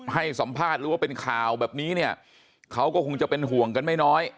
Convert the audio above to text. ให้สัมภาษณ์หรือว่าเป็นข่าวแบบนี้เนี่ยเขาก็คงจะเป็นห่วงกันไม่น้อย